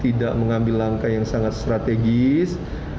tidak mengambil langkah yang sangat strategis